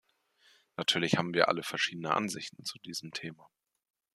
Natürlich haben wir alle verschiedene Ansichten zu diesem Thema.